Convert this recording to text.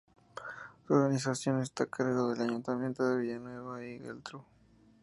Su organización está a cargo del Ayuntamiento de Villanueva y Geltrú.